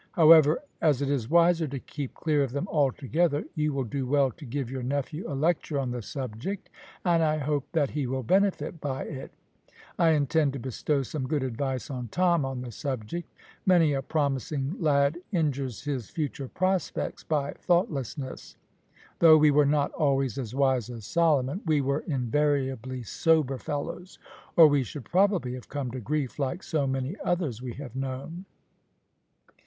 However, as it is wiser to keep clear of them altogether, you will do well to give your nephew a lecture on the subject, and I hope that he will benefit by it. I intend to bestow some good advice on Tom on the subject. Many a promising lad injures his future prospects by thoughtlessness. Though we were not always as wise as Solomon, we were invariably sober fellows, or we should probably have come to grief like so many others we have known."